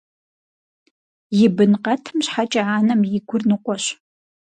И бын къэтым щхьэкӀэ анэм и гур ныкъуэщ.